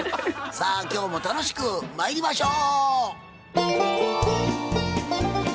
さあ今日も楽しくまいりましょう！